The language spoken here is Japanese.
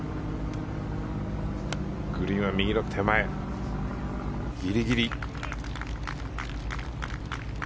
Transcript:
グリーンは右の手前ギリギリ。